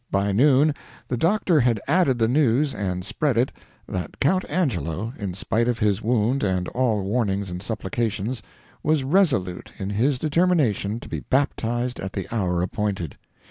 By noon the doctor had added the news, and spread it, that Count Angelo, in spite of his wound and all warnings and supplications, was resolute in his determination to be baptized at the hour appointed.